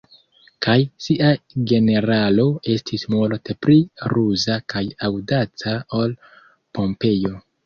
Kaj sia generalo estis multe pli ruza kaj aŭdaca ol Pompejo.